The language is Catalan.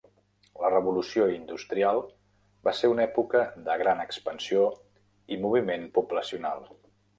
La Revolució Industrial va ser una època de gran expansió i moviment poblacional.